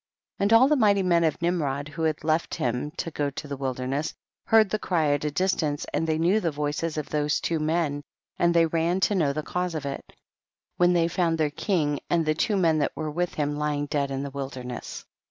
9. And all the mighty men of Nim rod, who had left him to go to the wilderness, heard the cry at a dis tance, and they knew the voices of those two men, and they ran to know the cause of it, when they found their king and the two men that were with him lying dead in the wilderness.